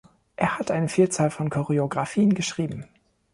Er hat eine Vielzahl von Choreografien geschrieben.